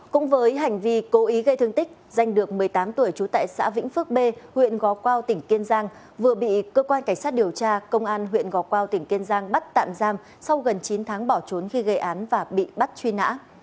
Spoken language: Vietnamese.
cũng với hành vi cố ý gây thương tích danh được một mươi tám tuổi trú tại xã vĩnh phước b huyện gò quao tỉnh kiên giang vừa bị cơ quan cảnh sát điều tra công an huyện gò quao tỉnh kiên giang bắt tạm giam sau gần chín tháng bỏ trốn khi gây án và bị bắt truy nã